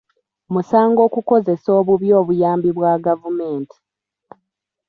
Musango okukozesa obubi obuyambi bwa gavumenti.